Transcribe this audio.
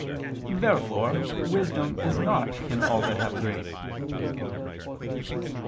Therefore wisdom is not in all that have grace.